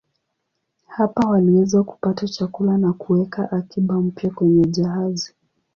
Hapa waliweza kupata chakula na kuweka akiba mpya kwenye jahazi.